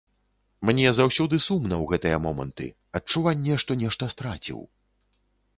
Мне заўсёды сумна ў гэтыя моманты, адчуванне, што нешта страціў.